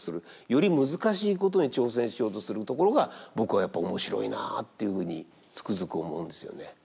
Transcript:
より難しいことに挑戦しようとするところが僕はやっぱり面白いなっていうふうにつくづく思うんですよね。